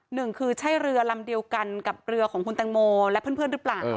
หนึ่งคือใช่เรือลำเดียวกันกับเรือของคุณแตงโมและเพื่อนหรือเปล่า